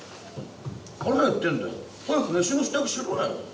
「腹減ってんだよ早く飯の支度しろよ！」